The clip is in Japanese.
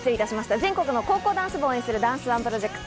全国の高校ダンス部を応援するダンスＯＮＥプロジェクト。